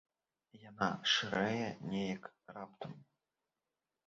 Яна шырэе нейк раптам.